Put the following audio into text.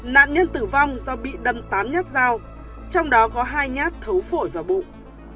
nạn nhân tử vong do bị đâm tám nhát dao trong đó có hai nhát thấu phổi và bụng